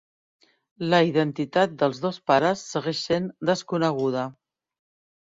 La identitat dels dos pares segueix sent desconeguda.